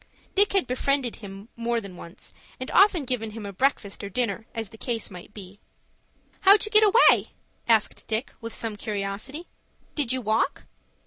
Dick had befriended him more than once, and often given him a breakfast or dinner, as the case might be. "How'd you get away?" asked Dick, with some curiosity. "Did you walk?"